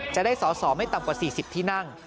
จะได้สอสอไม่ต่ำกว่า๔๐ที่นั่ง